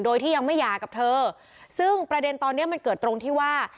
โดยที่ยังไม่หย่ากับเธอซึ่งประเด็นตอนนี้มันเกิดตรงที่ว่า